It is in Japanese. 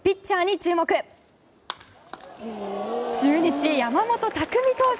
中日、山本拓実投手